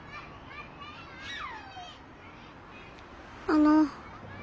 あの。